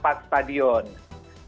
sehingga stadion yang tidak disiapkan